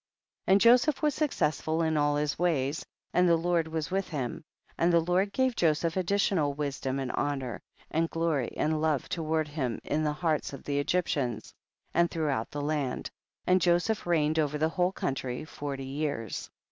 11. And Joseph was successful in all his ways, and the Lord was with him, and the Lord gave Joseph additional wisdom, and honor, and glory and love toward him in the hearts of the Egyptians and through out the land, and Joseph reigned over the whole country forty years.